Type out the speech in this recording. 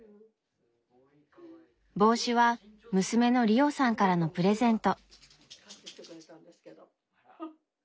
帽子は娘のリオさんからのプレゼント。